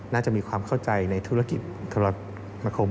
น่าจะมีความเข้าใจในธุรกิจธรรมคม